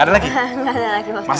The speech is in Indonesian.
gak ada lagi ustaz